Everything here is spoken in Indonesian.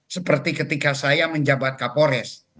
seperti ketika saya menjabat kapolres